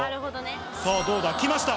さあ、どうだ？来ました。